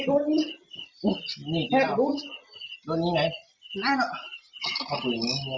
สองอันนี้ชาวมั่นละไอ้คนดูก็ความความสวย